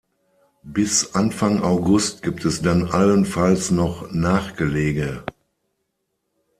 Bis Anfang August gibt es dann allenfalls noch Nachgelege.